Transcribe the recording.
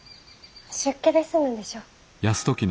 出家で済むんでしょう。